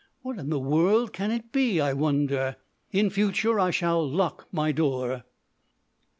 What in the world can it be, I wonder?... In future I shall lock my door. Nov.